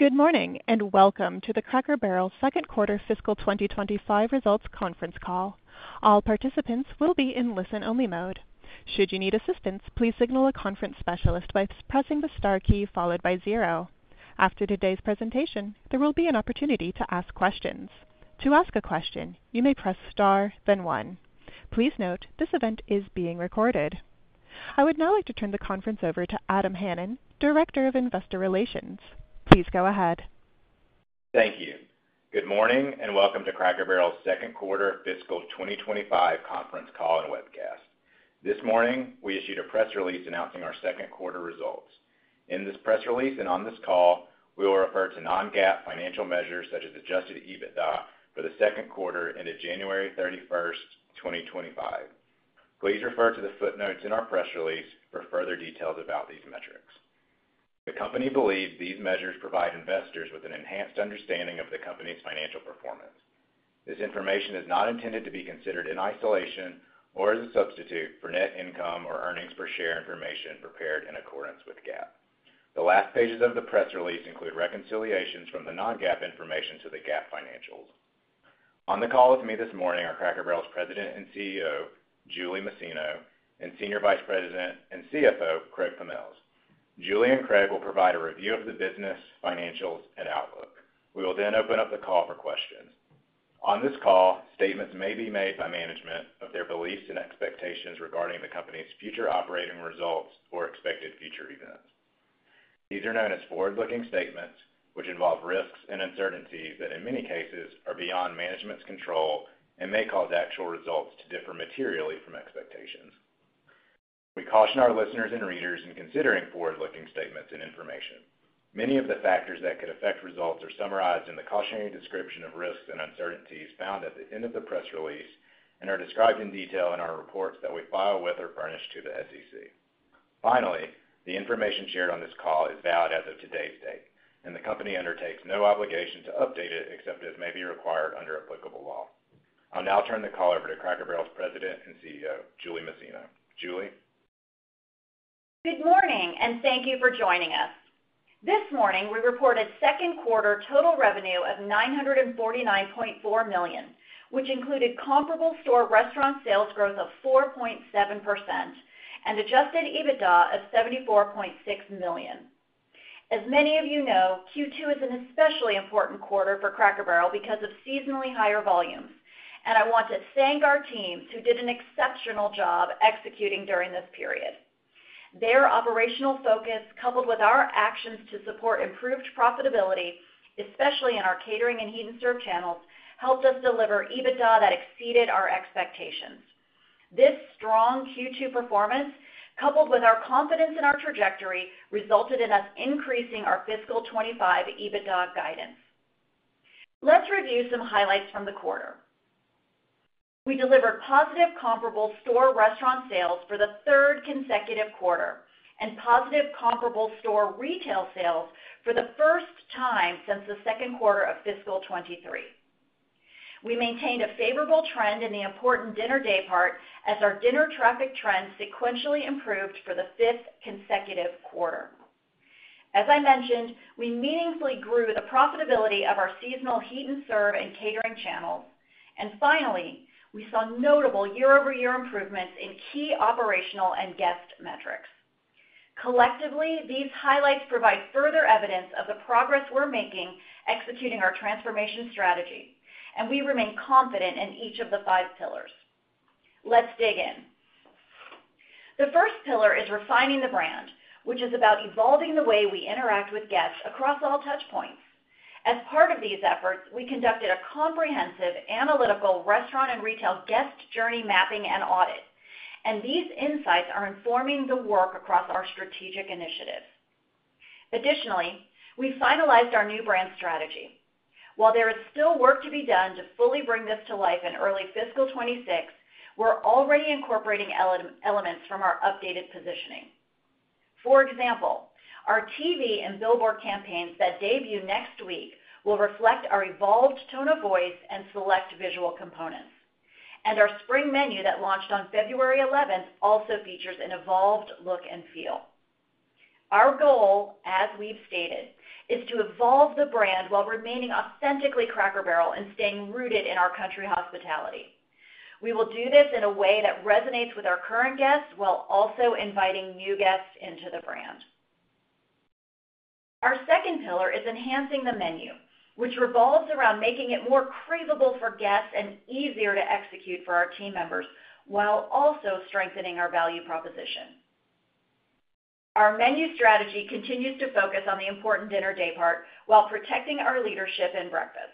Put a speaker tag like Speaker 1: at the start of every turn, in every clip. Speaker 1: Good morning and welcome to the Cracker Barrel second quarter Fiscal 2025 results conference call. All participants will be in listen-only mode. Should you need assistance, please signal a conference specialist by pressing the star key followed by zero. After today's presentation, there will be an opportunity to ask questions. To ask a question, you may press star, then one. Please note this event is being recorded. I would now like to turn the conference over to Adam Hannon, Director of Investor Relations. Please go ahead.
Speaker 2: Thank you. Good morning and welcome to Cracker Barrel's second quarter Fiscal 2025 conference call and webcast. This morning, we issued a press release announcing our second quarter results. In this press release and on this call, we will refer to non-GAAP financial measures such as adjusted EBITDA for the second quarter ended January 31, 2025. Please refer to the footnotes in our press release for further details about these metrics. The company believes these measures provide investors with an enhanced understanding of the company's financial performance. This information is not intended to be considered in isolation or as a substitute for net income or earnings per share information prepared in accordance with GAAP. The last pages of the press release include reconciliations from the non-GAAP information to the GAAP financials. On the call with me this morning are Cracker Barrel's President and CEO, Julie Masino, and Senior Vice President and CFO, Craig Pommells. Julie and Craig will provide a review of the business, financials, and outlook. We will then open up the call for questions. On this call, statements may be made by management of their beliefs and expectations regarding the company's future operating results or expected future events. These are known as forward-looking statements, which involve risks and uncertainties that, in many cases, are beyond management's control and may cause actual results to differ materially from expectations. We caution our listeners and readers in considering forward-looking statements and information. Many of the factors that could affect results are summarized in the cautionary description of risks and uncertainties found at the end of the press release and are described in detail in our reports that we file with or furnish to the SEC. Finally, the information shared on this call is valid as of today's date, and the company undertakes no obligation to update it except as may be required under applicable law. I'll now turn the call over to Cracker Barrel's President and CEO, Julie Masino. Julie.
Speaker 3: Good morning and thank you for joining us. This morning, we reported second quarter total revenue of $949.4 million, which included comparable store restaurant sales growth of 4.7% and adjusted EBITDA of $74.6 million. As many of you know, Q2 is an especially important quarter for Cracker Barrel because of seasonally higher volumes, and I want to thank our teams who did an exceptional job executing during this period. Their operational focus, coupled with our actions to support improved profitability, especially in our catering and heat and serve channels, helped us deliver EBITDA that exceeded our expectations. This strong Q2 performance, coupled with our confidence in our trajectory, resulted in us increasing our Fiscal 2025 EBITDA guidance. Let's review some highlights from the quarter. We delivered positive comparable store restaurant sales for the third consecutive quarter and positive comparable store retail sales for the first time since the second quarter of Fiscal 2023. We maintained a favorable trend in the important dinner day part as our dinner traffic trend sequentially improved for the fifth consecutive quarter. As I mentioned, we meaningfully grew the profitability of our seasonal heat and serve and catering channels, and finally, we saw notable year-over-year improvements in key operational and guest metrics. Collectively, these highlights provide further evidence of the progress we're making executing our transformation strategy, and we remain confident in each of the five pillars. Let's dig in. The first pillar is refining the brand, which is about evolving the way we interact with guests across all touch points. As part of these efforts, we conducted a comprehensive analytical restaurant and retail guest journey mapping and audit, and these insights are informing the work across our strategic initiatives. Additionally, we finalized our new brand strategy. While there is still work to be done to fully bring this to life in early Fiscal 2026, we're already incorporating elements from our updated positioning. For example, our TV and billboard campaigns that debut next week will reflect our evolved tone of voice and select visual components, and our spring menu that launched on February 11th also features an evolved look and feel. Our goal, as we've stated, is to evolve the brand while remaining authentically Cracker Barrel and staying rooted in our country hospitality. We will do this in a way that resonates with our current guests while also inviting new guests into the brand. Our second pillar is enhancing the menu, which revolves around making it more craveable for guests and easier to execute for our team members while also strengthening our value proposition. Our menu strategy continues to focus on the important dinner day part while protecting our leadership in breakfast.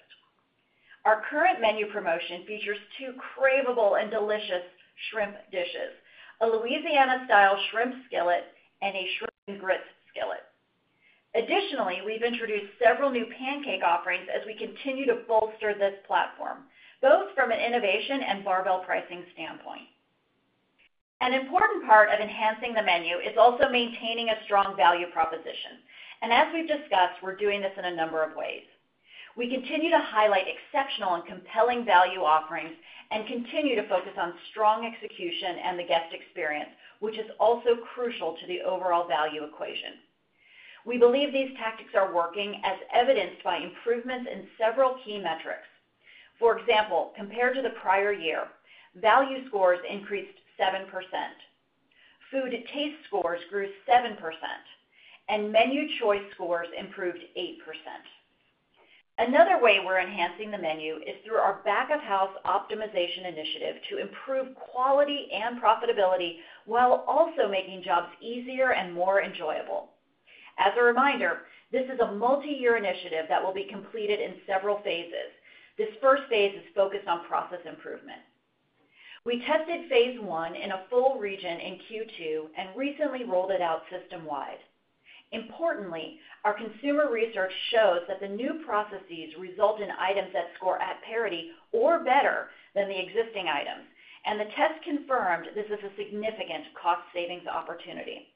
Speaker 3: Our current menu promotion features two craveable and delicious shrimp dishes, a Louisiana-style shrimp skillet, and a shrimp and grits skillet. Additionally, we've introduced several new pancake offerings as we continue to bolster this platform, both from an innovation and barbell pricing standpoint. An important part of enhancing the menu is also maintaining a strong value proposition, and as we've discussed, we're doing this in a number of ways. We continue to highlight exceptional and compelling value offerings and continue to focus on strong execution and the guest experience, which is also crucial to the overall value equation. We believe these tactics are working, as evidenced by improvements in several key metrics. For example, compared to the prior year, value scores increased 7%, food taste scores grew 7%, and menu choice scores improved 8%. Another way we're enhancing the menu is through our back-of-house optimization initiative to improve quality and profitability while also making jobs easier and more enjoyable. As a reminder, this is a multi-year initiative that will be completed in several phases. This first phase is focused on process improvement. We tested phase one in a full region in Q2 and recently rolled it out system-wide. Importantly, our consumer research shows that the new processes result in items that score at parity or better than the existing items, and the test confirmed this is a significant cost savings opportunity.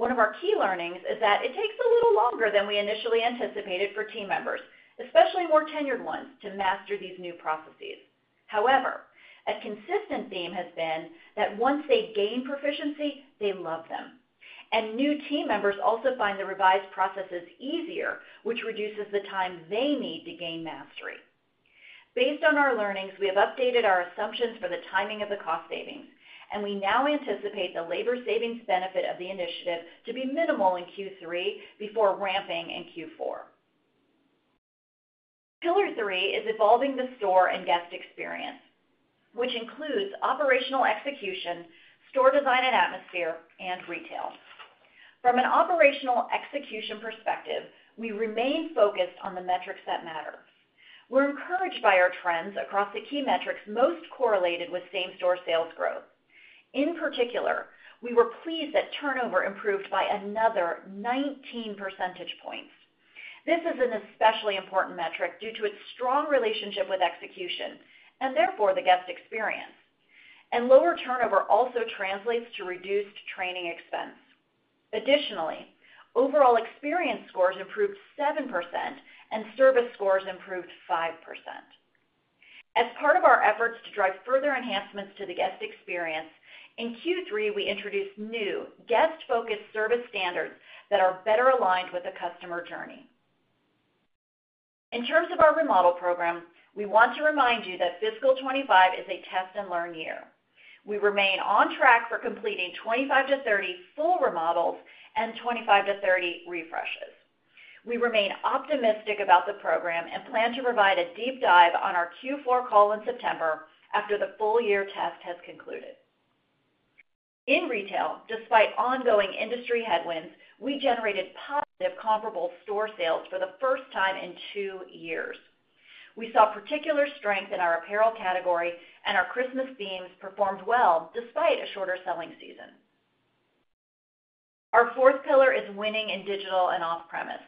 Speaker 3: One of our key learnings is that it takes a little longer than we initially anticipated for team members, especially more tenured ones, to master these new processes. However, a consistent theme has been that once they gain proficiency, they love them, and new team members also find the revised processes easier, which reduces the time they need to gain mastery. Based on our learnings, we have updated our assumptions for the timing of the cost savings, and we now anticipate the labor savings benefit of the initiative to be minimal in Q3 before ramping in Q4. Pillar three is evolving the store and guest experience, which includes operational execution, store design and atmosphere, and retail. From an operational execution perspective, we remain focused on the metrics that matter. We're encouraged by our trends across the key metrics most correlated with same-store sales growth. In particular, we were pleased that turnover improved by another 19 percentage points. This is an especially important metric due to its strong relationship with execution and therefore the guest experience, and lower turnover also translates to reduced training expense. Additionally, overall experience scores improved 7% and service scores improved 5%. As part of our efforts to drive further enhancements to the guest experience, in Q3 we introduced new guest-focused service standards that are better aligned with the customer journey. In terms of our remodel program, we want to remind you that Fiscal 2025 is a test and learn year. We remain on track for completing 25-30 full remodels and 25-30 refreshes. We remain optimistic about the program and plan to provide a deep dive on our Q4 call in September after the full year test has concluded. In retail, despite ongoing industry headwinds, we generated positive comparable store sales for the first time in two years. We saw particular strength in our apparel category and our Christmas themes performed well despite a shorter selling season. Our fourth pillar is winning in digital and off-premise.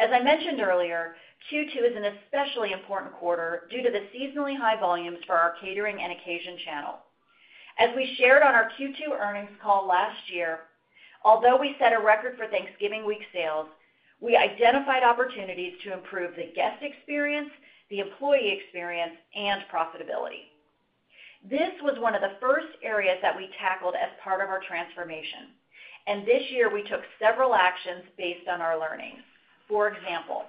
Speaker 3: As I mentioned earlier, Q2 is an especially important quarter due to the seasonally high volumes for our catering and occasion channel. As we shared on our Q2 earnings call last year, although we set a record for Thanksgiving week sales, we identified opportunities to improve the guest experience, the employee experience, and profitability. This was one of the first areas that we tackled as part of our transformation, and this year we took several actions based on our learnings. For example,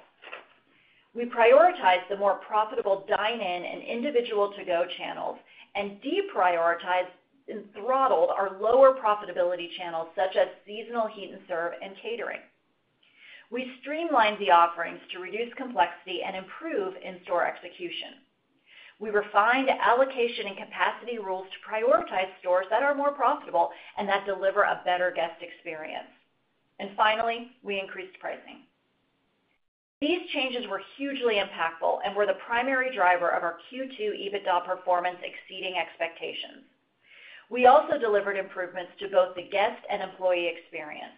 Speaker 3: we prioritized the more profitable dine-in and individual-to-go channels and deprioritized and throttled our lower profitability channels such as seasonal heat and serve and catering. We streamlined the offerings to reduce complexity and improve in-store execution. We refined allocation and capacity rules to prioritize stores that are more profitable and that deliver a better guest experience. Finally, we increased pricing. These changes were hugely impactful and were the primary driver of our Q2 EBITDA performance exceeding expectations. We also delivered improvements to both the guest and employee experience.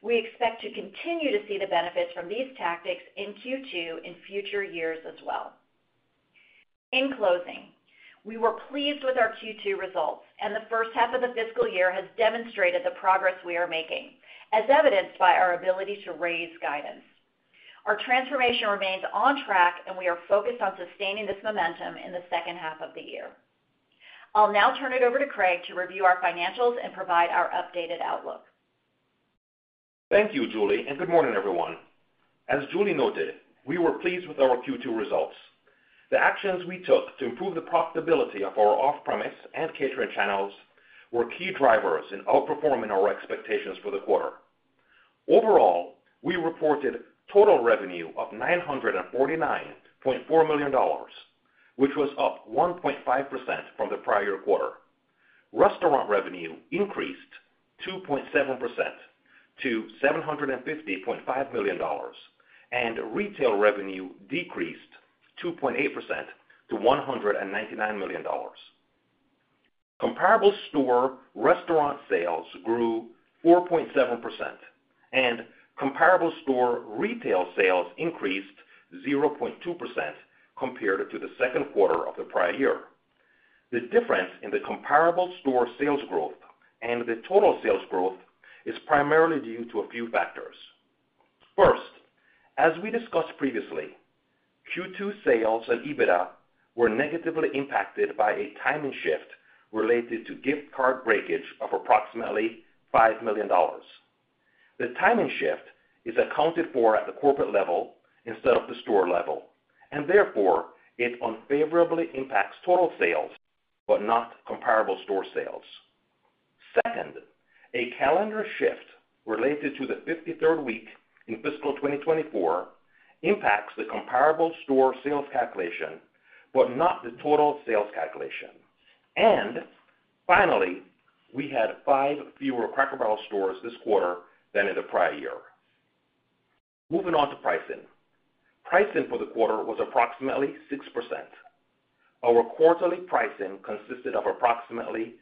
Speaker 3: We expect to continue to see the benefits from these tactics in Q2 in future years as well. In closing, we were pleased with our Q2 results, and the first half of the Fiscal year has demonstrated the progress we are making, as evidenced by our ability to raise guidance. Our transformation remains on track, and we are focused on sustaining this momentum in the second half of the year. I'll now turn it over to Craig to review our financials and provide our updated outlook.
Speaker 4: Thank you, Julie, and good morning, everyone. As Julie noted, we were pleased with our Q2 results. The actions we took to improve the profitability of our off-premise and catering channels were key drivers in outperforming our expectations for the quarter. Overall, we reported total revenue of $949.4 million, which was up 1.5% from the prior quarter. Restaurant revenue increased 2.7% to $750.5 million, and retail revenue decreased 2.8% to $199 million. Comparable store restaurant sales grew 4.7%, and comparable store retail sales increased 0.2% compared to the second quarter of the prior year. The difference in the comparable store sales growth and the total sales growth is primarily due to a few factors. First, as we discussed previously, Q2 sales and EBITDA were negatively impacted by a timing shift related to gift card breakage of approximately $5 million. The timing shift is accounted for at the corporate level instead of the store level, and therefore it unfavorably impacts total sales but not comparable store sales. Second, a calendar shift related to the 53rd week in Fiscal 2024 impacts the comparable store sales calculation but not the total sales calculation. Finally, we had five fewer Cracker Barrel stores this quarter than in the prior year. Moving on to pricing. Pricing for the quarter was approximately 6%. Our quarterly pricing consisted of approximately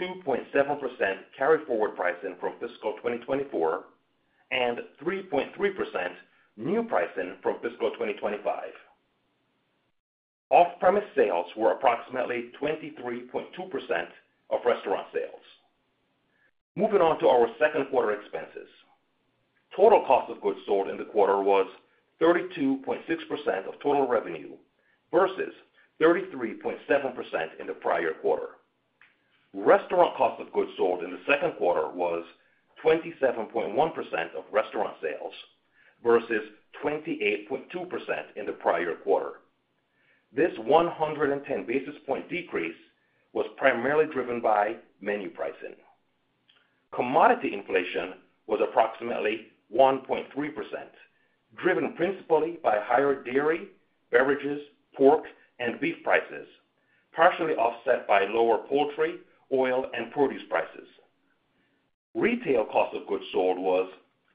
Speaker 4: 2.7% carry-forward pricing from Fiscal 2024 and 3.3% new pricing from Fiscal 2025. Off-premise sales were approximately 23.2% of restaurant sales. Moving on to our second quarter expenses. Total cost of goods sold in the quarter was 32.6% of total revenue versus 33.7% in the prior quarter. Restaurant cost of goods sold in the second quarter was 27.1% of restaurant sales versus 28.2% in the prior quarter. This 110 basis point decrease was primarily driven by menu pricing. Commodity inflation was approximately 1.3%, driven principally by higher dairy, beverages, pork, and beef prices, partially offset by lower poultry, oil, and produce prices. Retail cost of goods sold was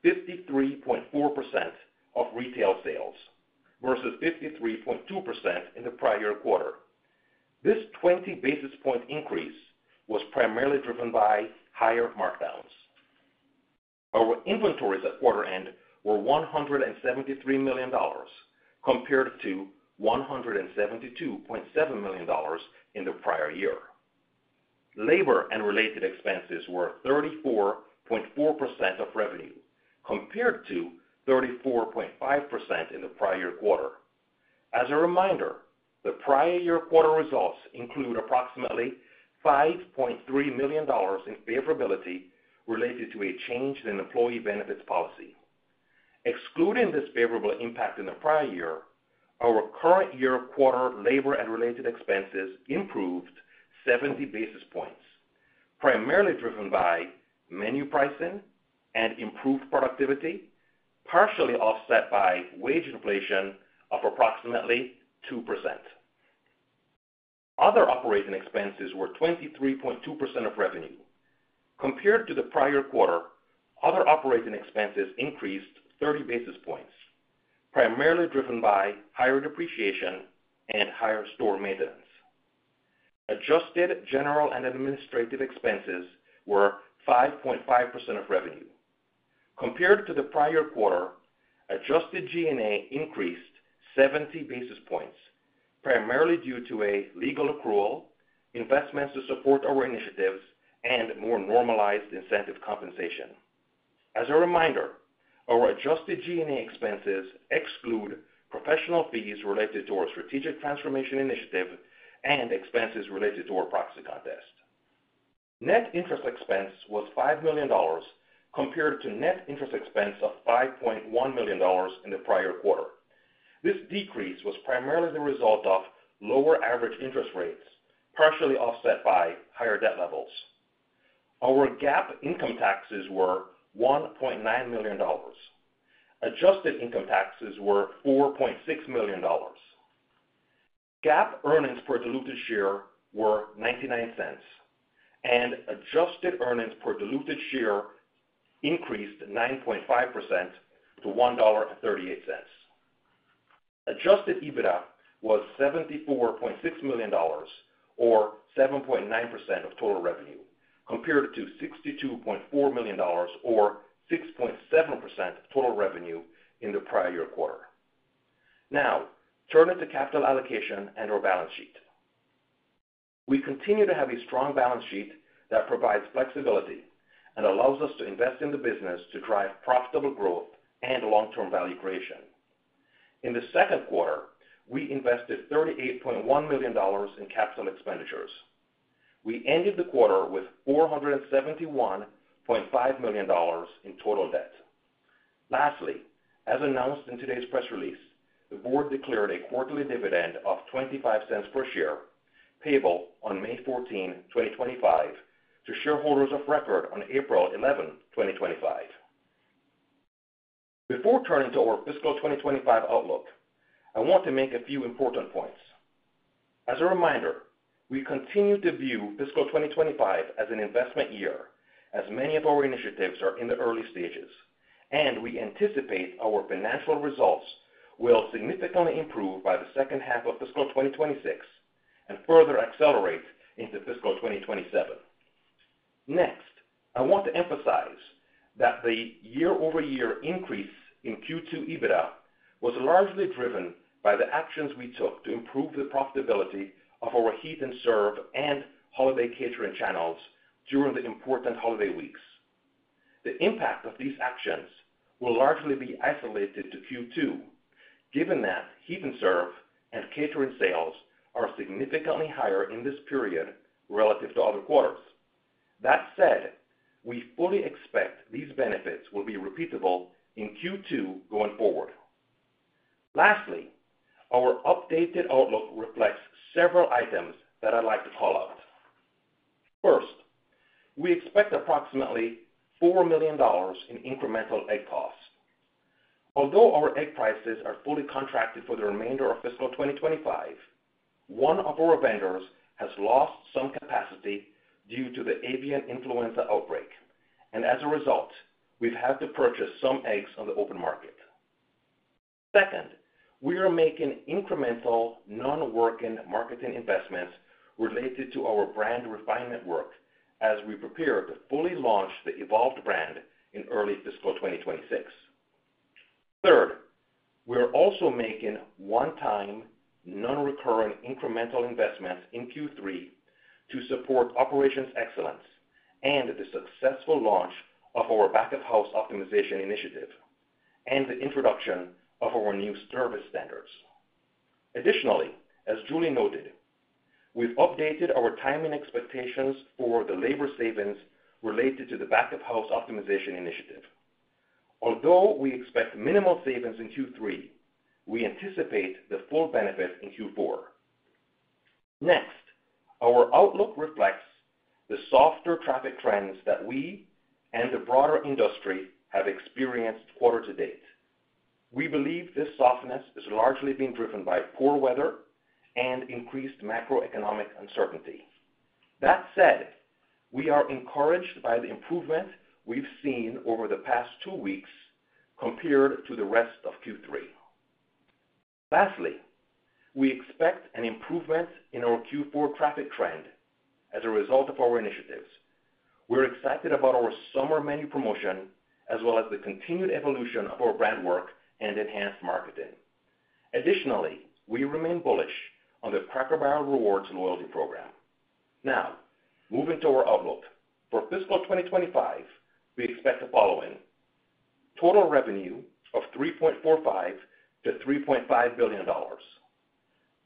Speaker 4: 53.4% of retail sales versus 53.2% in the prior quarter. This 20 basis point increase was primarily driven by higher markdowns. Our inventories at quarter end were $173 million compared to $172.7 million in the prior year. Labor and related expenses were 34.4% of revenue compared to 34.5% in the prior quarter. As a reminder, the prior year quarter results include approximately $5.3 million in favorability related to a change in employee benefits policy. Excluding this favorable impact in the prior year, our current year quarter labor and related expenses improved 70 basis points, primarily driven by menu pricing and improved productivity, partially offset by wage inflation of approximately 2%. Other operating expenses were 23.2% of revenue. Compared to the prior quarter, other operating expenses increased 30 basis points, primarily driven by higher depreciation and higher store maintenance. Adjusted general and administrative expenses were 5.5% of revenue. Compared to the prior quarter, adjusted G&A increased 70 basis points, primarily due to a legal accrual, investments to support our initiatives, and more normalized incentive compensation. As a reminder, our adjusted G&A expenses exclude professional fees related to our strategic transformation initiative and expenses related to our proxy contest. Net interest expense was $5 million compared to net interest expense of $5.1 million in the prior quarter. This decrease was primarily the result of lower average interest rates, partially offset by higher debt levels. Our GAAP income taxes were $1.9 million. Adjusted income taxes were $4.6 million. GAAP earnings per diluted share were $0.99, and adjusted earnings per diluted share increased 9.5% to $1.38. Adjusted EBITDA was $74.6 million, or 7.9% of total revenue, compared to $62.4 million, or 6.7% of total revenue in the prior year quarter. Now, turning to capital allocation and our balance sheet. We continue to have a strong balance sheet that provides flexibility and allows us to invest in the business to drive profitable growth and long-term value creation. In the second quarter, we invested $38.1 million in capital expenditures. We ended the quarter with $471.5 million in total debt. Lastly, as announced in today's press release, the board declared a quarterly dividend of $0.25 per share payable on May 14, 2025, to shareholders of record on April 11, 2025. Before turning to our Fiscal 2025 outlook, I want to make a few important points. As a reminder, we continue to view Fiscal 2025 as an investment year, as many of our initiatives are in the early stages, and we anticipate our financial results will significantly improve by the second half of Fiscal 2026 and further accelerate into Fiscal 2027. Next, I want to emphasize that the year-over-year increase in Q2 EBITDA was largely driven by the actions we took to improve the profitability of our heat and serve and holiday catering channels during the important holiday weeks. The impact of these actions will largely be isolated to Q2, given that heat and serve and catering sales are significantly higher in this period relative to other quarters. That said, we fully expect these benefits will be repeatable in Q2 going forward. Lastly, our updated outlook reflects several items that I'd like to call out. First, we expect approximately $4 million in incremental egg costs. Although our egg prices are fully contracted for the remainder of Fiscal 2025, one of our vendors has lost some capacity due to the avian influenza outbreak, and as a result, we've had to purchase some eggs on the open market. Second, we are making incremental non-working marketing investments related to our brand refinement work as we prepare to fully launch the evolved brand in early Fiscal 2026. Third, we are also making one-time non-recurring incremental investments in Q3 to support operations excellence and the successful launch of our back-of-house optimization initiative and the introduction of our new service standards. Additionally, as Julie noted, we've updated our timing expectations for the labor savings related to the back-of-house optimization initiative. Although we expect minimal savings in Q3, we anticipate the full benefit in Q4. Next, our outlook reflects the softer traffic trends that we and the broader industry have experienced quarter to date. We believe this softness is largely being driven by poor weather and increased macroeconomic uncertainty. That said, we are encouraged by the improvement we've seen over the past two weeks compared to the rest of Q3. Lastly, we expect an improvement in our Q4 traffic trend as a result of our initiatives. We're excited about our summer menu promotion as well as the continued evolution of our brand work and enhanced marketing. Additionally, we remain bullish on the Cracker Barrel Rewards loyalty program. Now, moving to our outlook. For Fiscal 2025, we expect the following: total revenue of $3.45-$3.5 billion,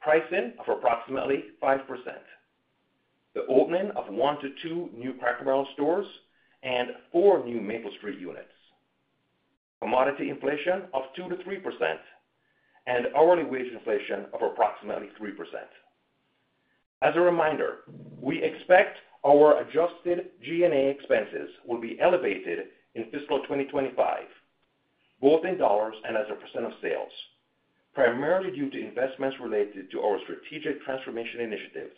Speaker 4: pricing of approximately 5%, the opening of one to two new Cracker Barrel stores and four new Maple Street units, commodity inflation of 2-3%, and hourly wage inflation of approximately 3%. As a reminder, we expect our adjusted G&A expenses will be elevated in Fiscal 2025, both in dollars and as a percent of sales, primarily due to investments related to our strategic transformation initiatives,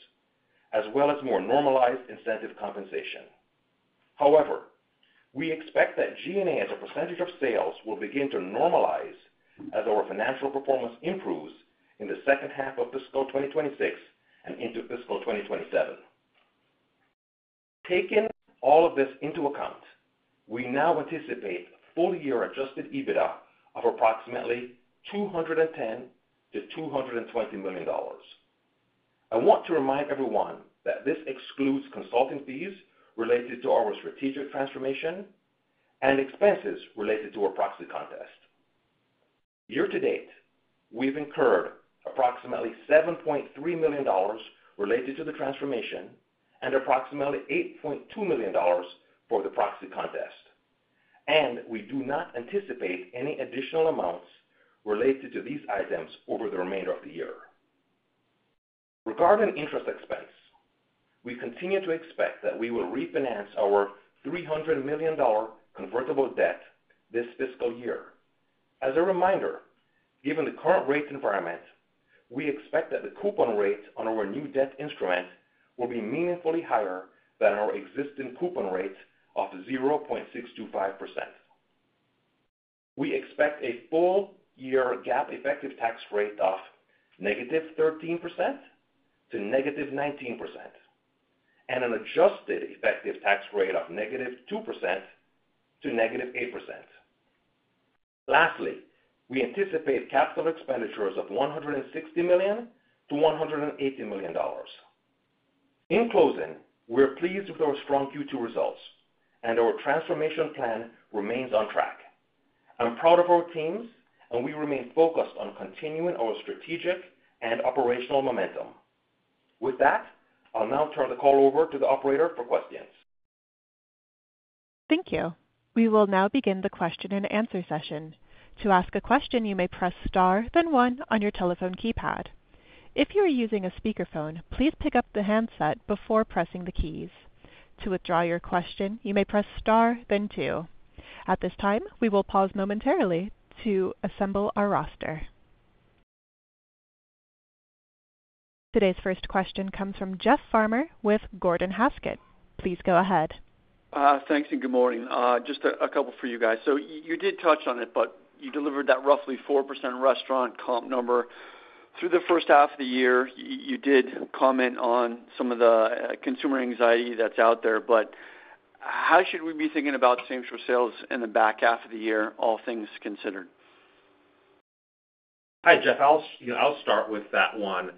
Speaker 4: as well as more normalized incentive compensation. However, we expect that G&A as a percentage of sales will begin to normalize as our financial performance improves in the second half of Fiscal 2026 and into Fiscal 2027. Taking all of this into account, we now anticipate full-year adjusted EBITDA of approximately $210-$220 million. I want to remind everyone that this excludes consulting fees related to our strategic transformation and expenses related to our proxy contest. Year to date, we've incurred approximately $7.3 million related to the transformation and approximately $8.2 million for the proxy contest, and we do not anticipate any additional amounts related to these items over the remainder of the year. Regarding interest expense, we continue to expect that we will refinance our $300 million convertible debt this Fiscal year. As a reminder, given the current rate environment, we expect that the coupon rate on our new debt instrument will be meaningfully higher than our existing coupon rate of 0.625%. We expect a full-year GAAP effective tax rate of negative 13% to negative 19%, and an adjusted effective tax rate of negative 2% to negative 8%. Lastly, we anticipate capital expenditures of $160 million-$180 million. In closing, we're pleased with our strong Q2 results, and our transformation plan remains on track. I'm proud of our teams, and we remain focused on continuing our strategic and operational momentum. With that, I'll now turn the call over to the operator for questions.
Speaker 1: Thank you. We will now begin the question and answer session. To ask a question, you may press star, then one on your telephone keypad. If you are using a speakerphone, please pick up the handset before pressing the keys. To withdraw your question, you may press star, then two. At this time, we will pause momentarily to assemble our roster. Today's first question comes from Jeff Farmer with Gordon Haskett. Please go ahead.
Speaker 5: Thanks and good morning. Just a couple for you guys. You did touch on it, but you delivered that roughly 4% restaurant comp number. Through the first half of the year, you did comment on some of the consumer anxiety that's out there, but how should we be thinking about same-store sales in the back half of the year, all things considered?
Speaker 4: Hi, Jeff. I'll start with that one.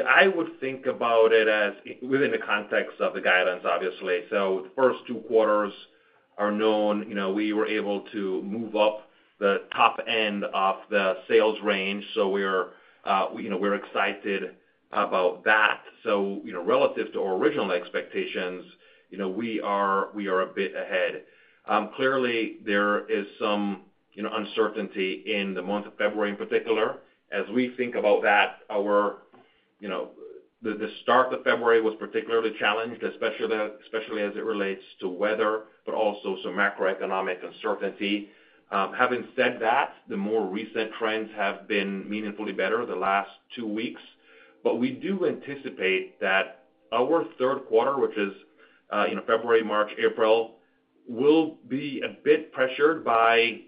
Speaker 4: I would think about it as within the context of the guidance, obviously. The first two quarters are known. We were able to move up the top end of the sales range, so we're excited about that. Relative to our original expectations, we are a bit ahead. Clearly, there is some uncertainty in the month of February in particular. As we think about that, the start of February was particularly challenged, especially as it relates to weather, but also some macroeconomic uncertainty. Having said that, the more recent trends have been meaningfully better the last two weeks. We do anticipate that our third quarter, which is February, March, April, will be a bit pressured by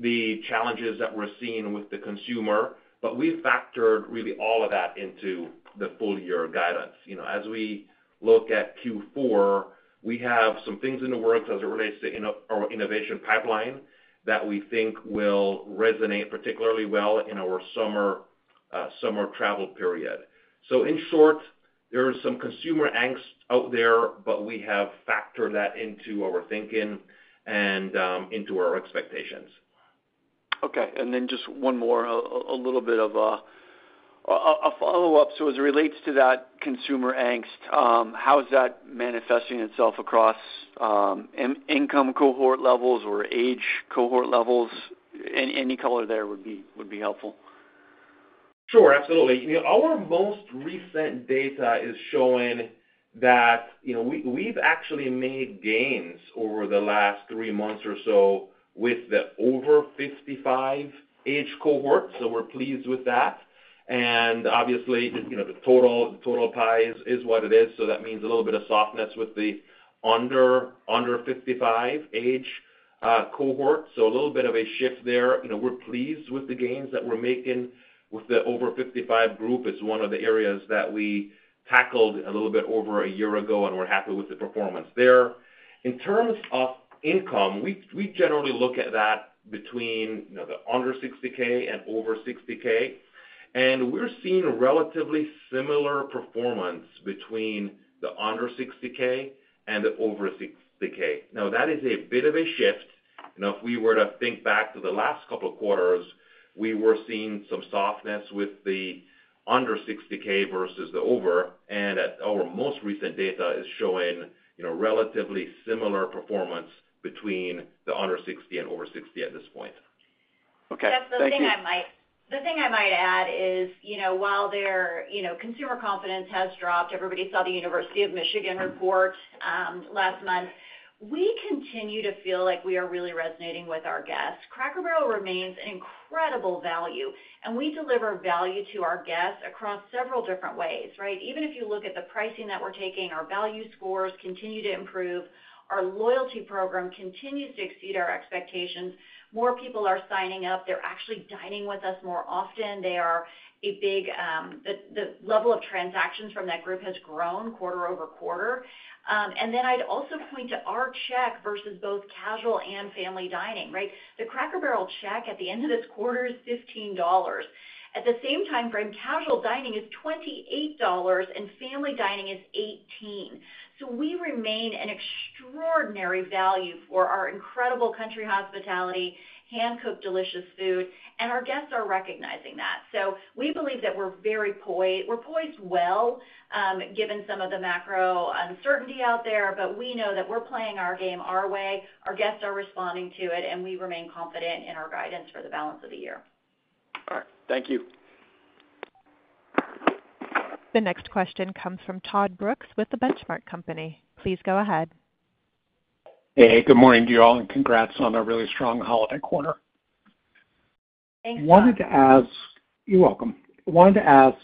Speaker 4: the challenges that we're seeing with the consumer, but we factored really all of that into the full-year guidance. As we look at Q4, we have some things in the works as it relates to our innovation pipeline that we think will resonate particularly well in our summer travel period. In short, there is some consumer angst out there, but we have factored that into our thinking and into our expectations.
Speaker 5: Okay. Just one more, a little bit of a follow-up. As it relates to that consumer angst, how is that manifesting itself across income cohort levels or age cohort levels? Any color there would be helpful.
Speaker 4: Sure. Absolutely. Our most recent data is showing that we've actually made gains over the last three months or so with the over-55 age cohort, so we're pleased with that. Obviously, the total pie is what it is, so that means a little bit of softness with the under-55 age cohort, so a little bit of a shift there. We're pleased with the gains that we're making with the over-55 group. It's one of the areas that we tackled a little bit over a year ago, and we're happy with the performance there. In terms of income, we generally look at that between the under-60K and over-60K, and we're seeing relatively similar performance between the under-60K and the over-60K. Now, that is a bit of a shift. If we were to think back to the last couple of quarters, we were seeing some softness with the under-60K versus the over, and our most recent data is showing relatively similar performance between the under-60 and over-60 at this point. Okay.
Speaker 3: The thing I might add is while their consumer confidence has dropped, everybody saw the University of Michigan report last month, we continue to feel like we are really resonating with our guests. Cracker Barrel remains an incredible value, and we deliver value to our guests across several different ways, right? Even if you look at the pricing that we're taking, our value scores continue to improve. Our loyalty program continues to exceed our expectations. More people are signing up. They're actually dining with us more often. The level of transactions from that group has grown quarter over quarter. I would also point to our check versus both casual and family dining, right? The Cracker Barrel check at the end of this quarter is $15. At the same timeframe, casual dining is $28, and family dining is $18. We remain an extraordinary value for our incredible country hospitality, hand-cooked delicious food, and our guests are recognizing that. We believe that we're very poised. We're poised well given some of the macro uncertainty out there, but we know that we're playing our game our way. Our guests are responding to it, and we remain confident in our guidance for the balance of the year. All right. Thank you. The next question comes from Todd Brooks with the Benchmark Company. Please go ahead.
Speaker 6: Hey, good morning to you all, and congrats on a really strong holiday quarter.
Speaker 3: Thanks.
Speaker 6: I wanted to ask, you're welcome. I wanted to ask,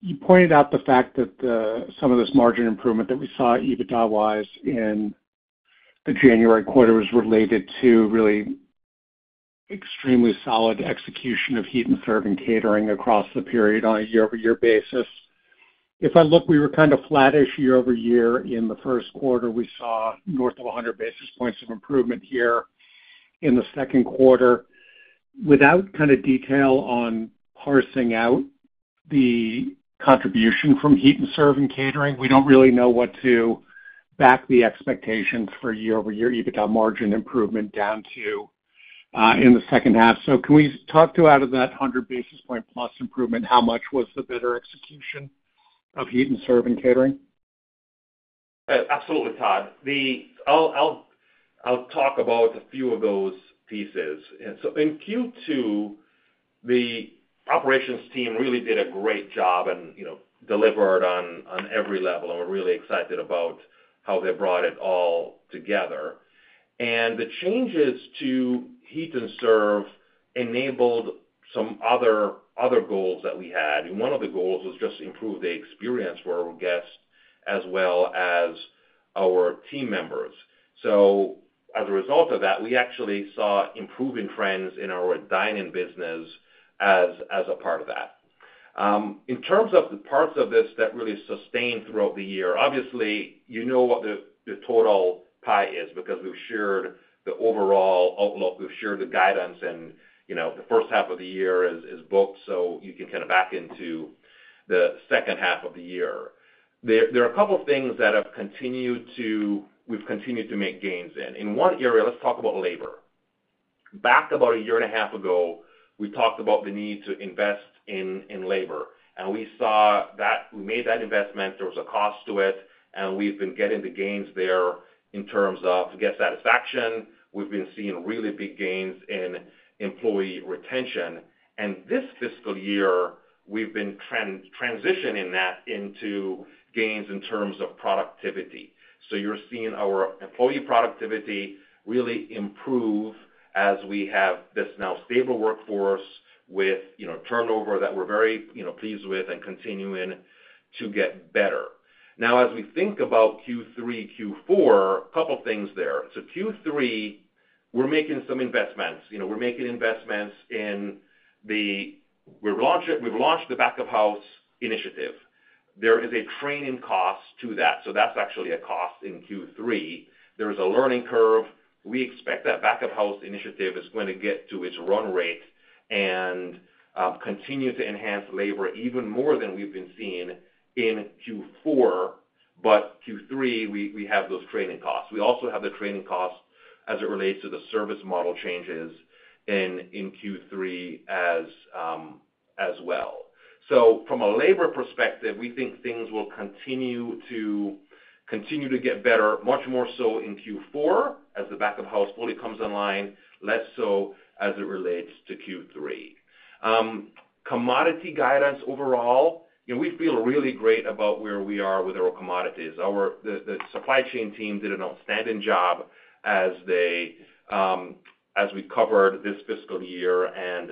Speaker 6: you pointed out the fact that some of this margin improvement that we saw EBITDA-wise in the January quarter was related to really extremely solid execution of heat and serve and catering across the period on a year-over-year basis.
Speaker 4: If I look, we were kind of flattish year-over-year. In the first quarter, we saw north of 100 basis points of improvement here in the second quarter. Without kind of detail on parsing out the contribution from heat and serve and catering, we don't really know what to back the expectations for year-over-year EBITDA margin improvement down to in the second half. Can we talk to, out of that 100 basis point plus improvement, how much was the better execution of heat and serve and catering? Absolutely, Todd. I'll talk about a few of those pieces. In Q2, the operations team really did a great job and delivered on every level, and we're really excited about how they brought it all together. The changes to heat and serve enabled some other goals that we had. One of the goals was just to improve the experience for our guests as well as our team members. As a result of that, we actually saw improving trends in our dining business as a part of that. In terms of the parts of this that really sustained throughout the year, obviously, you know what the total pie is because we've shared the overall outlook. We've shared the guidance, and the first half of the year is booked, so you can kind of back into the second half of the year. There are a couple of things that we've continued to make gains in. In one area, let's talk about labor. Back about a year and a half ago, we talked about the need to invest in labor, and we saw that we made that investment. There was a cost to it, and we've been getting the gains there in terms of guest satisfaction. We've been seeing really big gains in employee retention. This Fiscal year, we've been transitioning that into gains in terms of productivity. You're seeing our employee productivity really improve as we have this now stable workforce with turnover that we're very pleased with and continuing to get better. Now, as we think about Q3, Q4, a couple of things there. Q3, we're making some investments. We're making investments in the we've launched the back-of-house initiative. There is a training cost to that, so that's actually a cost in Q3. There's a learning curve. We expect that back-of-house initiative is going to get to its run rate and continue to enhance labor even more than we've been seeing in Q4, but Q3, we have those training costs. We also have the training costs as it relates to the service model changes in Q3 as well. From a labor perspective, we think things will continue to get better, much more so in Q4 as the back-of-house fully comes online, less so as it relates to Q3. Commodity guidance overall, we feel really great about where we are with our commodities. The supply chain team did an outstanding job as we covered this Fiscal year and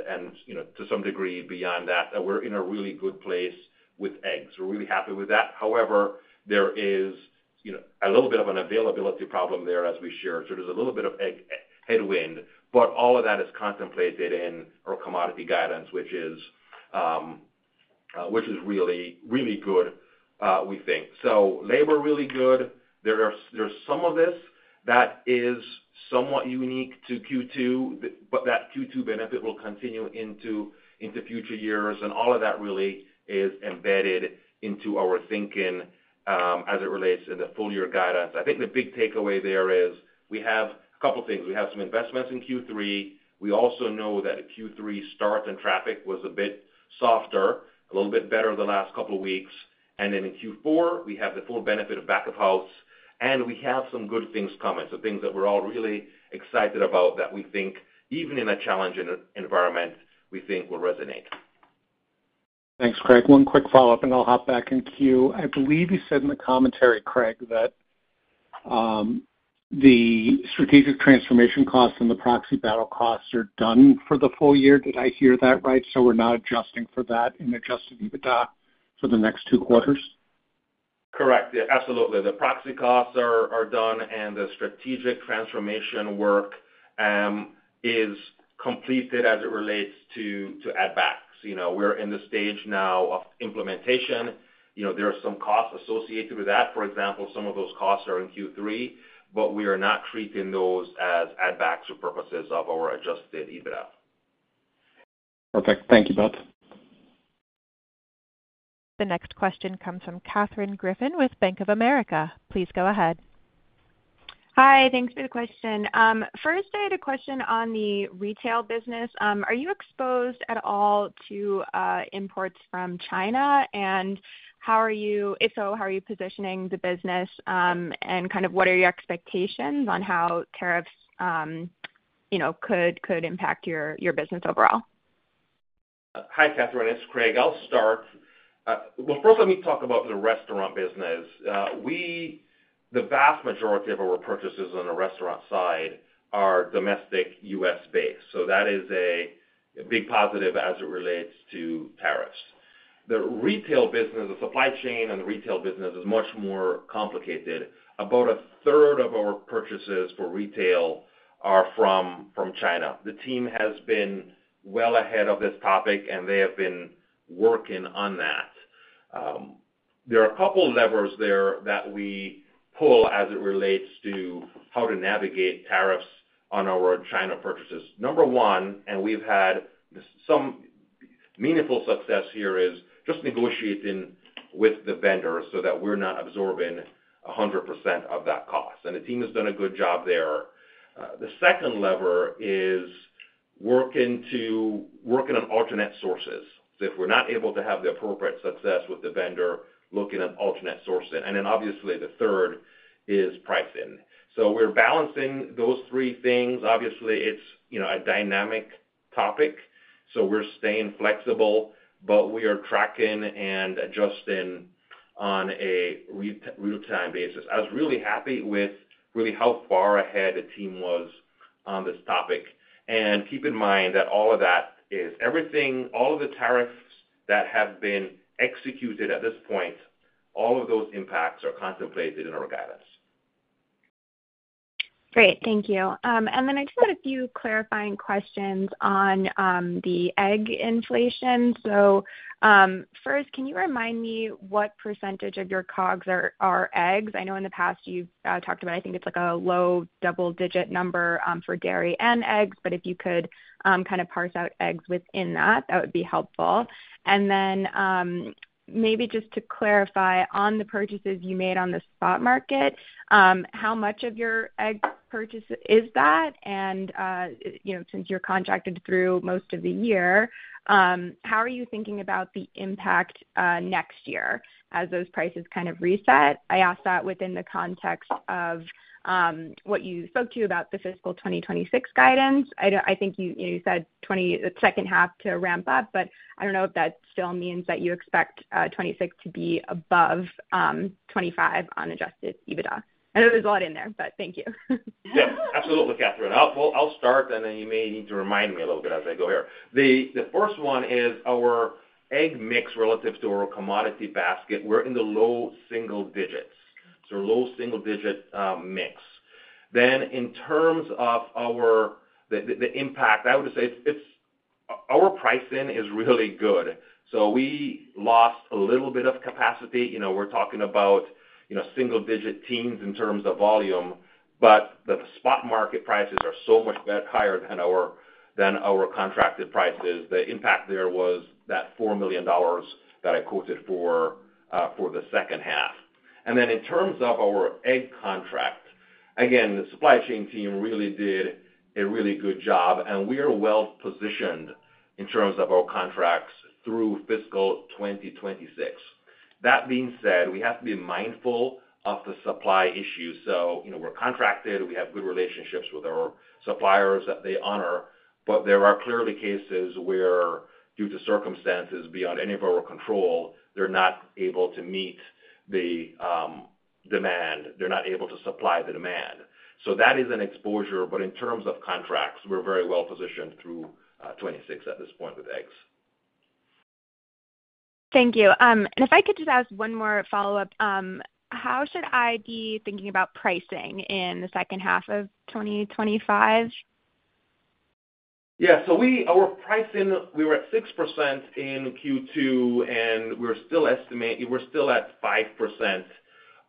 Speaker 4: to some degree beyond that. We're in a really good place with eggs. We're really happy with that. However, there is a little bit of an availability problem there as we shared. There's a little bit of headwind, but all of that is contemplated in our commodity guidance, which is really good, we think. Labor, really good. There's some of this that is somewhat unique to Q2, but that Q2 benefit will continue into future years, and all of that really is embedded into our thinking as it relates in the full-year guidance. I think the big takeaway there is we have a couple of things. We have some investments in Q3. We also know that Q3 start and traffic was a bit softer, a little bit better the last couple of weeks. In Q4, we have the full benefit of back-of-house, and we have some good things coming. Things that we're all really excited about that we think, even in a challenging environment, we think will resonate.
Speaker 6: Thanks, Craig. One quick follow-up, and I'll hop back in queue. I believe you said in the commentary, Craig, that the strategic transformation costs and the proxy battle costs are done for the full year. Did I hear that right? We're not adjusting for that and adjusting EBITDA for the next two quarters?
Speaker 4: Correct. Absolutely. The proxy costs are done, and the strategic transformation work is completed as it relates to add-backs. We're in the stage now of implementation. There are some costs associated with that. For example, some of those costs are in Q3, but we are not treating those as add-backs for purposes of our adjusted EBITDA.
Speaker 6: Perfect. Thank you, Beth.
Speaker 1: The next question comes from Catherine Griffin with Bank of America. Please go ahead.
Speaker 7: Hi. Thanks for the question. First, I had a question on the retail business. Are you exposed at all to imports from China? If so, how are you positioning the business? What are your expectations on how tariffs could impact your business overall?
Speaker 4: Hi, Catherine. It's Craig. I'll start. First, let me talk about the restaurant business. The vast majority of our purchases on the restaurant side are domestic U.S.-based. That is a big positive as it relates to tariffs. The retail business, the supply chain and the retail business is much more complicated. About a third of our purchases for retail are from China. The team has been well ahead of this topic, and they have been working on that. There are a couple of levers there that we pull as it relates to how to navigate tariffs on our China purchases. Number one, and we've had some meaningful success here, is just negotiating with the vendor so that we're not absorbing 100% of that cost. The team has done a good job there. The second lever is working on alternate sources. If we're not able to have the appropriate success with the vendor, looking at alternate sourcing. Obviously, the third is pricing. We're balancing those three things. Obviously, it's a dynamic topic, so we're staying flexible, but we are tracking and adjusting on a real-time basis. I was really happy with really how far ahead the team was on this topic. Keep in mind that all of that is everything, all of the tariffs that have been executed at this point, all of those impacts are contemplated in our guidance.
Speaker 7: Great. Thank you. I just had a few clarifying questions on the egg inflation. First, can you remind me what percentage of your cogs are eggs? I know in the past you've talked about, I think it's like a low double-digit number for dairy and eggs, but if you could kind of parse out eggs within that, that would be helpful. If you could clarify on the purchases you made on the spot market, how much of your egg purchase is that? Since you're contracted through most of the year, how are you thinking about the impact next year as those prices kind of reset? I ask that within the context of what you spoke to about the Fiscal 2026 guidance. I think you said the second half to ramp up, but I don't know if that still means that you expect 2026 to be above 2025 on adjusted EBITDA. I know there's a lot in there, but thank you.
Speaker 4: Yeah. Absolutely, Catherine. I'll start, and then you may need to remind me a little bit as I go here. The first one is our egg mix relative to our commodity basket. We're in the low single digits. So low single digit mix. In terms of the impact, I would say our pricing is really good. We lost a little bit of capacity. We're talking about single digit teens in terms of volume, but the spot market prices are so much higher than our contracted prices. The impact there was that $4 million that I quoted for the second half. In terms of our egg contract, again, the supply chain team really did a really good job, and we are well positioned in terms of our contracts through Fiscal 2026. That being said, we have to be mindful of the supply issue. We're contracted. We have good relationships with our suppliers that they honor, but there are clearly cases where, due to circumstances beyond any of our control, they're not able to meet the demand. They're not able to supply the demand. That is an exposure, but in terms of contracts, we're very well positioned through 2026 at this point with eggs. Thank you. If I could just ask one more follow-up, how should I be thinking about pricing in the second half of 2025? Yeah. Our pricing, we were at 6% in Q2, and we're still at 5%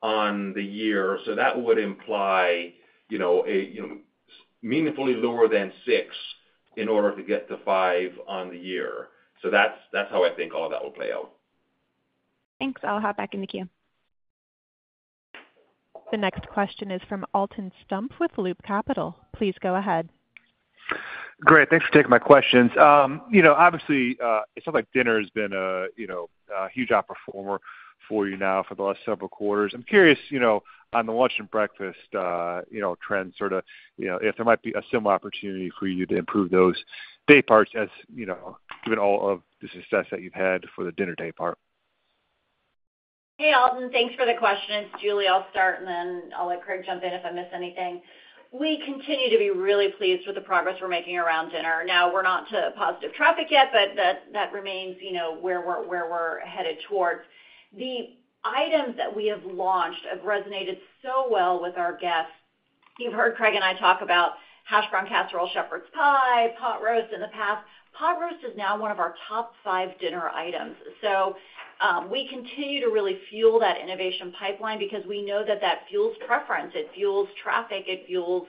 Speaker 4: on the year. That would imply meaningfully lower than 6% in order to get to 5% on the year. That's how I think all of that will play out.
Speaker 7: Thanks. I'll hop back in the queue.
Speaker 1: The next question is from Alton Stumpf with Loop Capital. Please go ahead.
Speaker 8: Great.
Speaker 4: Thanks for taking my questions. Obviously, it sounds like dinner has been a huge outperformer for you now for the last several quarters. I'm curious on the lunch and breakfast trend, sort of if there might be a similar opportunity for you to improve those day parts given all of the success that you've had for the dinner day part.
Speaker 3: Hey, Alton. Thanks for the question. It's Julie. I'll start, and then I'll let Craig jump in if I miss anything. We continue to be really pleased with the progress we're making around dinner. Now, we're not to positive traffic yet, but that remains where we're headed towards. The items that we have launched have resonated so well with our guests. You've heard Craig and I talk about hash brown casserole, Shepherd's pie, pot roast in the past. Pot roast is now one of our top five dinner items. We continue to really fuel that innovation pipeline because we know that that fuels preference. It fuels traffic. It fuels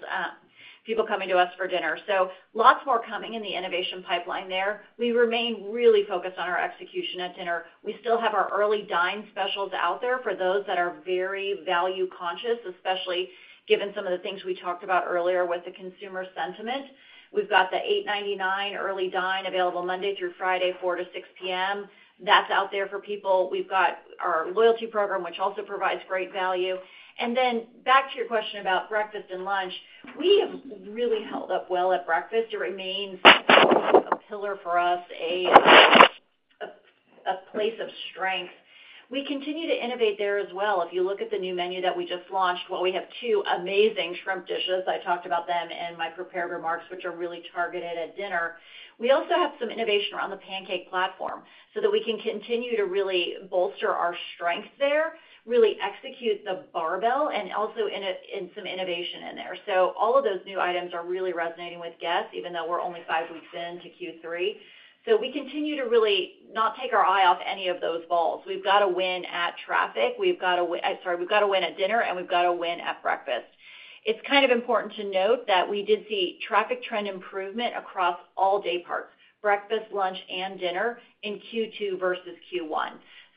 Speaker 3: people coming to us for dinner. Lots more coming in the innovation pipeline there. We remain really focused on our execution at dinner. We still have our early dine specials out there for those that are very value-conscious, especially given some of the things we talked about earlier with the consumer sentiment. We have the $8.99 early dine available Monday through Friday, 4:00 to 6:00 P.M. That is out there for people. We have our loyalty program, which also provides great value. Back to your question about breakfast and lunch, we have really held up well at breakfast. It remains a pillar for us, a place of strength. We continue to innovate there as well. If you look at the new menu that we just launched, we have two amazing shrimp dishes. I talked about them in my prepared remarks, which are really targeted at dinner. We also have some innovation around the pancake platform so that we can continue to really bolster our strength there, really execute the barbell, and also in some innovation in there. All of those new items are really resonating with guests, even though we're only five weeks into Q3. We continue to really not take our eye off any of those balls. We've got to win at traffic. We've got to win at dinner, and we've got to win at breakfast. It's kind of important to note that we did see traffic trend improvement across all day parts: breakfast, lunch, and dinner in Q2 versus Q1.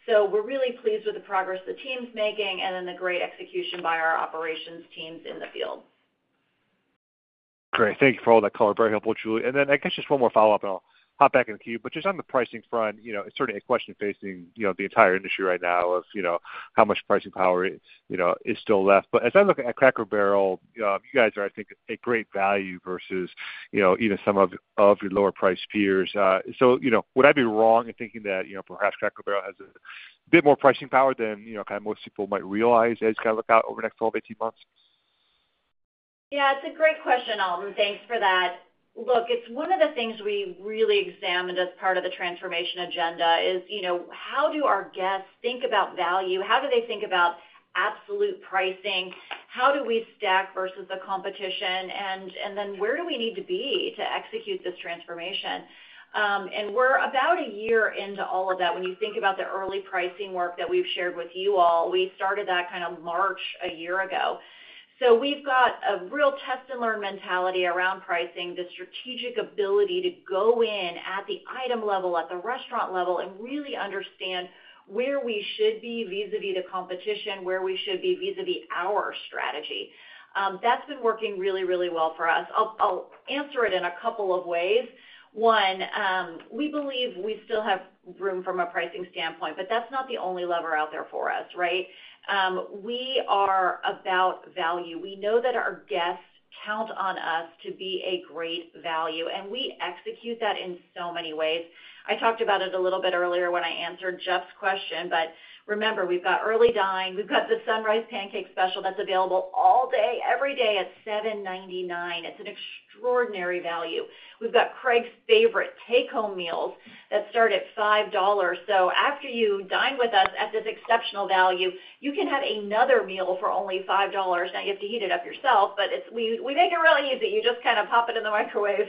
Speaker 3: We're really pleased with the progress the team's making and the great execution by our operations teams in the field.
Speaker 8: Great. Thank you for all that color. Very helpful, Julie. I guess just one more follow-up, and I'll hop back in the queue. Just on the pricing front, it's certainly a question facing the entire industry right now of how much pricing power is still left. As I look at Cracker Barrel, you guys are, I think, a great value versus even some of your lower-priced peers. Would I be wrong in thinking that perhaps Cracker Barrel has a bit more pricing power than kind of most people might realize as you kind of look out over the next 12, 18 months?
Speaker 3: Yeah. It's a great question, Alton. Thanks for that. Look, it's one of the things we really examined as part of the transformation agenda is how do our guests think about value? How do they think about absolute pricing? How do we stack versus the competition? Where do we need to be to execute this transformation? We're about a year into all of that. When you think about the early pricing work that we've shared with you all, we started that kind of March a year ago. We've got a real test-and-learn mentality around pricing, the strategic ability to go in at the item level, at the restaurant level, and really understand where we should be vis-à-vis the competition, where we should be vis-à-vis our strategy. That's been working really, really well for us. I'll answer it in a couple of ways. One, we believe we still have room from a pricing standpoint, but that's not the only lever out there for us, right? We are about value. We know that our guests count on us to be a great value, and we execute that in so many ways. I talked about it a little bit earlier when I answered Jeff's question, but remember, we've got early dine. We've got the Sunrise Pancake Special that's available all day, every day at $7.99. It's an extraordinary value. We've got Craig's favorite take-home meals that start at $5. After you dine with us at this exceptional value, you can have another meal for only $5. Now, you have to heat it up yourself, but we make it really easy. You just kind of pop it in the microwave.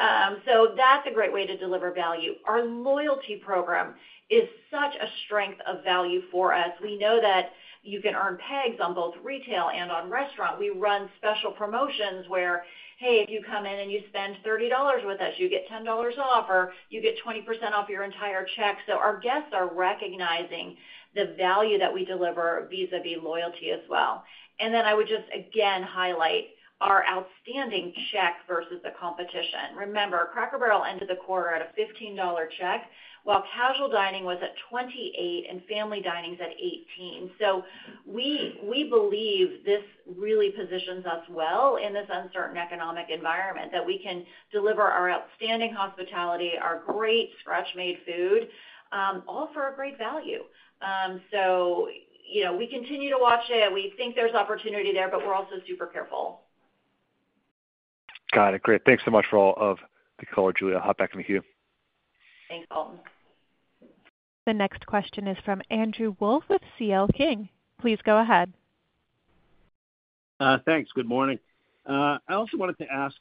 Speaker 3: That's a great way to deliver value. Our loyalty program is such a strength of value for us. We know that you can earn pegs on both retail and on restaurant. We run special promotions where, hey, if you come in and you spend $30 with us, you get $10 off, or you get 20% off your entire check. Our guests are recognizing the value that we deliver vis-à-vis loyalty as well. I would just, again, highlight our outstanding check versus the competition. Remember, Cracker Barrel ended the quarter at a $15 check, while casual dining was at $28 and family dining's at $18. We believe this really positions us well in this uncertain economic environment, that we can deliver our outstanding hospitality, our great scratch-made food, all for a great value. We continue to watch it. We think there's opportunity there, but we're also super careful.
Speaker 8: Got it. Great. Thanks so much for all of the color, Julie. I'll hop back in the queue.
Speaker 3: Thanks, Alton.
Speaker 1: The next question is from Andrew Wolf with CL King. Please go ahead.
Speaker 9: Thanks. Good morning. I also wanted to ask,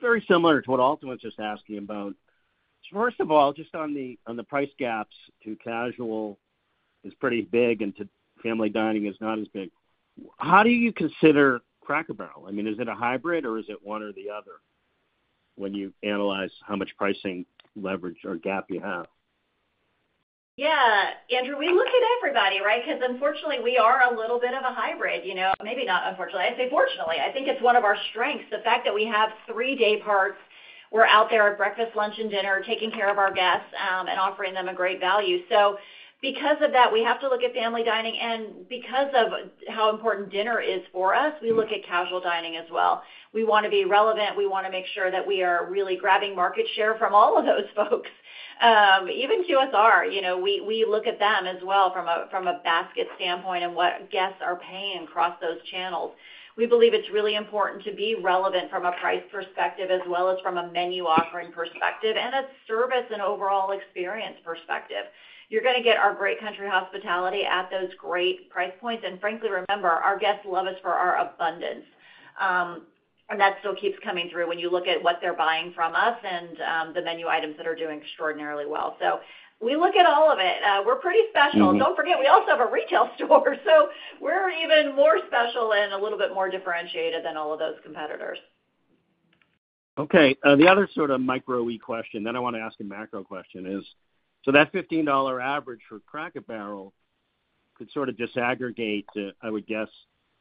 Speaker 9: very similar to what Alton was just asking about, first of all, just on the price gaps to casual is pretty big and to family dining is not as big. How do you consider Cracker Barrel? I mean, is it a hybrid, or is it one or the other when you analyze how much pricing leverage or gap you have?
Speaker 3: Yeah. Andrew, we look at everybody, right? Because unfortunately, we are a little bit of a hybrid. Maybe not unfortunately. I say fortunately. I think it's one of our strengths, the fact that we have three day parts. We're out there at breakfast, lunch, and dinner, taking care of our guests and offering them a great value. Because of that, we have to look at family dining. Because of how important dinner is for us, we look at casual dining as well. We want to be relevant. We want to make sure that we are really grabbing market share from all of those folks, even QSR. We look at them as well from a basket standpoint and what guests are paying across those channels. We believe it's really important to be relevant from a price perspective as well as from a menu offering perspective and a service and overall experience perspective. You're going to get our great country hospitality at those great price points. Frankly, remember, our guests love us for our abundance. That still keeps coming through when you look at what they're buying from us and the menu items that are doing extraordinarily well. We look at all of it. We're pretty special. Don't forget, we also have a retail store. We're even more special and a little bit more differentiated than all of those competitors.
Speaker 9: Okay. The other sort of micro we question, then I want to ask a macro question is, that $15 average for Cracker Barrel could sort of disaggregate, I would guess,